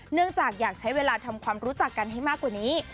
เนื่องจากอยากใช้เวลาทำความรู้จักกันให้มากกว่านี้